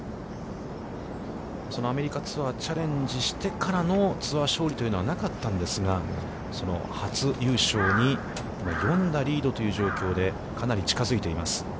そのアメリカツアー、チャレンジしてからのツアー勝利というのはなかったんですが、初優勝に、４打リードという状況でかなり近づいています。